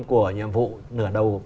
của nhiệm vụ nửa đầu